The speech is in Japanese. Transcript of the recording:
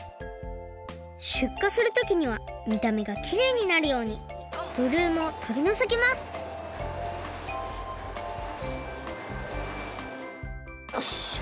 しゅっかするときにはみためがきれいになるようにブルームをとりのぞきますよいしょ。